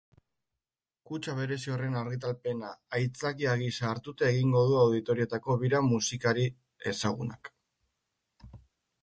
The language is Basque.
Kutxa berezi horren argitalpena aitzakia gisa hartuta egigo du auditorioetako bira musikari ezagunak.